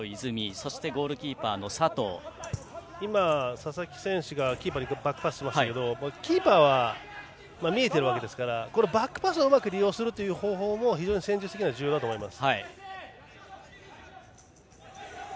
佐々木選手がキーパーにバックパスしましたがキーパーは見えているのでバックパスをうまく利用する方法も戦術的には重要だと思います。